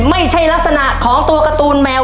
ไม่ใช่ลักษณะของตัวการ์ตูนแมว